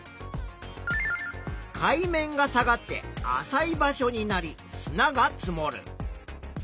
海面が下がって浅い場所になり砂が積もる。